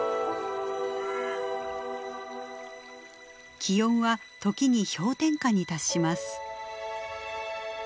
気温は時に氷点下に達します。